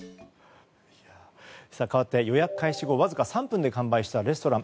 かわって予約開始後わずか３分で完売したレストラン。